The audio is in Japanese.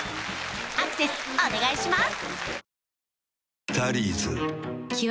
アクセスお願いします